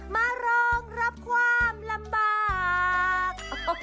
มารองรับความลำบาก